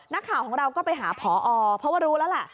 นักข่าวของเราก็ไปหาพอเพราะว่ารู้แล้วแหละ